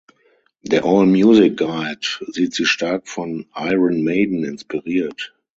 Der All Music Guide sieht sie stark von Iron Maiden inspiriert.